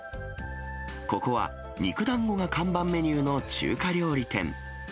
ここは肉団子が看板メニューの中華料理店。